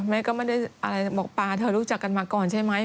แม่ก็ไม่ได้อะไรบอกปลาเธอรู้จักกันมาก่อนใช่ไหม